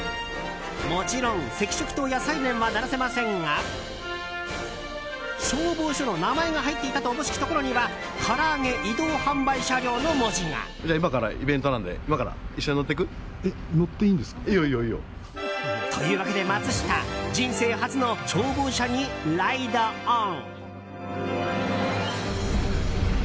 もちろん赤色灯やサイレンは鳴らせませんが消防署の名前が入っていたとおぼしきところには「唐揚移動販売車両」の文字が。というわけでマツシタ人生初の消防車にライドオン！